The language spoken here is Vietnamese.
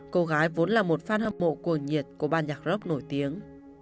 cô gái vốn là một fan hâm mộ cuồng nhiệt của ban nhạc rock nổi tiếng